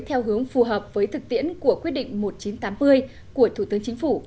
theo hướng phù hợp với thực tiễn của quyết định một nghìn chín trăm tám mươi của thủ tướng chính phủ